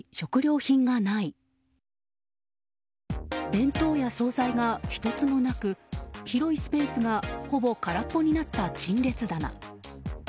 弁当や総菜が１つもなく広いスペースがほぼ空っぽになった陳列棚。